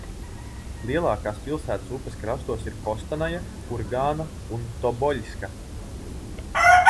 Lielākās pilsētas upes krastos ir Kostanaja, Kurgāna un Toboļska.